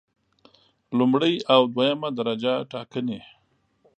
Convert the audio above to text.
لومړی او دویمه درجه ټاکنې